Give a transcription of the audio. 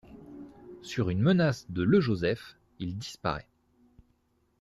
Sur une menace de Le Joseph, il disparaît.